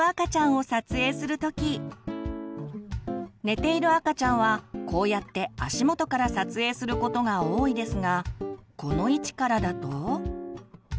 寝ている赤ちゃんはこうやって足元から撮影することが多いですがこの位置からだと。